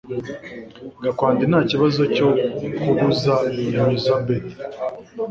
Gakwandi ntakibazo cyo kubuza Elisabeth